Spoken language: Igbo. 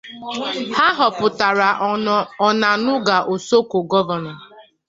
Ha hopu tara Onanuga osoko govono.